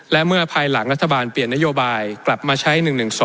และเมื่อภายหลังรัฐบาลเปลี่ยนนโยบายกลับมาใช้๑๑๒